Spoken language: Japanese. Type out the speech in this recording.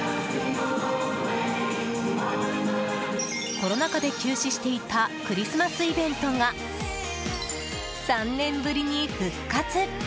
コロナ禍で休止していたクリスマスイベントが３年ぶりに復活！